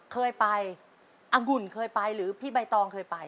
เคยไปอังุ่นเคยไปหรือพี่ใบตองเคยไป